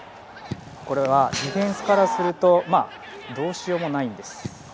これはディフェンスからするとどうしようもないです。